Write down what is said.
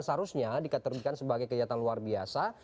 seharusnya dikategorikan sebagai kejahatan luar biasa